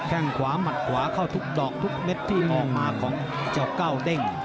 แค่งขวาหมัดขวาเข้าทุกดอกทุกเม็ดที่มองมาของเจ้าเก้าเด้ง